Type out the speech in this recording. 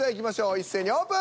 一斉にオープン！